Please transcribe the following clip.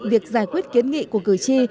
việc giải quyết kiến nghị của cử tri